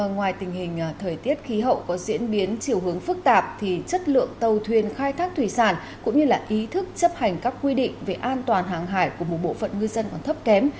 ngoài tình hình thời tiết khí hậu có diễn biến chiều hướng phức tạp thì chất lượng tàu thuyền khai thác thủy sản cũng như ý thức chấp hành các quy định về an toàn hàng hải của một bộ phận ngư dân còn thấp kém